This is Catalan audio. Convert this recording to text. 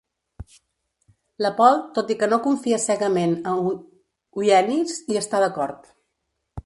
Lepold, tot i que no confia cegament en Wienis, hi està d'acord.